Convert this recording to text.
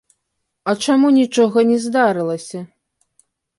А чаму нічога не здарылася?